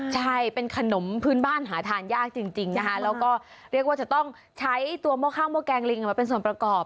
ใช่เป็นขนมพื้นบ้านหาทานยากจริงนะคะแล้วก็เรียกว่าจะต้องใช้ตัวหม้อข้าวห้อแกงลิงมาเป็นส่วนประกอบ